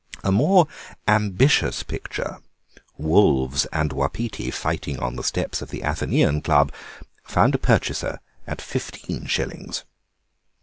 A more ambitious picture, "Wolves and wapiti fighting on the steps of the Athenæum Club," found a purchaser at fifteen shillings.